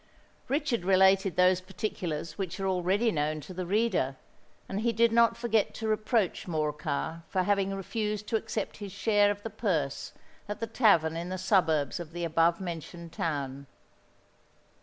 Richard related those particulars which are already known to the reader; and he did not forget to reproach Morcar for having refused to accept his share of the purse at the tavern in the suburbs of the above mentioned town.